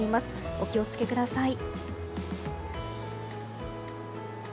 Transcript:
お気を付けください。